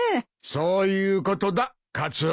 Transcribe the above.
そういうことだカツオ。